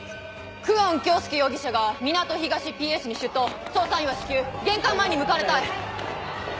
久遠京介容疑者が港東ＰＳに出頭捜査員は至急玄関前に向かわれたい！